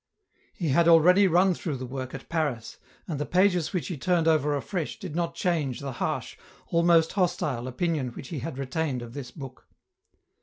He had already run through the work at Paris, and the pages which he turned over afresh did not change the harsh, almost hostile, opinion which he had retained ot this book.